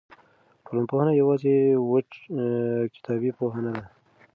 ټولنپوهنه یوازې وچه کتابي پوهه نه ده.